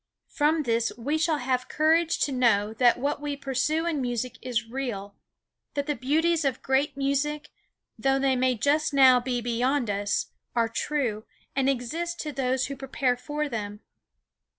From this we shall have courage to know that what we pursue in music is real; that the beauties of great music, though they may just now be beyond us, are true, and exist to those who are prepared for them.